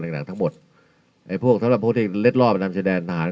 ในหัวแสดงพวกสำหรับพวกที่เล็ดหลอดประจำสินแดนทหาร